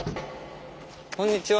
こんにちは。